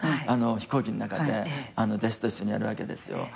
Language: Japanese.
飛行機の中で弟子たちにやるわけですよ。